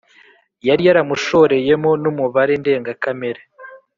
yari yaramushoreyemo numubare ndengakamere